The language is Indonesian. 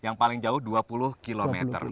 yang paling jauh dua puluh km